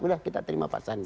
udah kita terima pak sandi